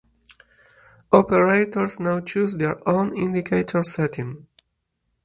Operators now chose their own indicator setting.